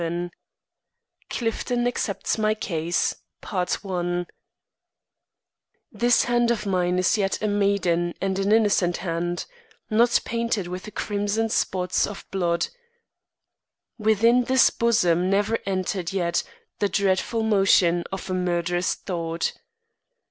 VII CLIFTON ACCEPTS MY CASE This hand of mine Is yet a maiden and an innocent hand, Not painted with the crimson spots of blood. Within this bosom never enter'd yet The dreadful motion of a murd'rous thought.